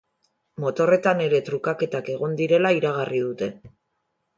Motorretan ere trukaketak egon direla igarri dute.